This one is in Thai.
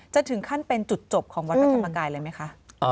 จะถึงขั้นเป็นจุดจบของวัดพระธรรมกายเลยไหมคะ